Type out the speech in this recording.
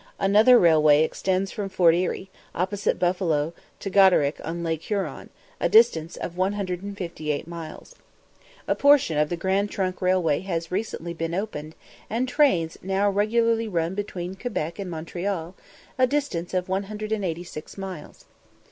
Another railway extends from Fort Erie, opposite Buffalo, to Goderich on Lake Huron, a distance of 158 miles. A portion of the Grand Trunk Railway has recently been opened, and trains now regularly run between Quebec and Montreal, a distance of 186 miles.